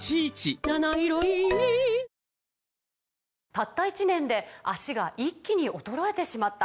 「たった１年で脚が一気に衰えてしまった」